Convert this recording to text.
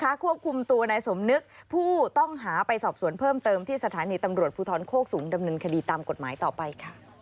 ควบคุมตัวนายสมนึกผู้ต้องหาไปสอบสวนเพิ่มเติมที่สถานีตำรวจภูทรโคกสูงดำเนินคดีตามกฎหมายต่อไปค่ะ